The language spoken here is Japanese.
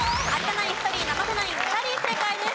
ナイン１人生瀬ナイン２人正解です。